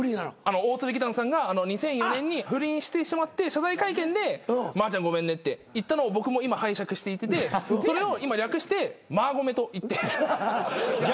大鶴義丹さんが２００４年に不倫してしまって謝罪会見でまーちゃんごめんねって言ったのを僕も今拝借して言っててそれを今略してまーごめと言って。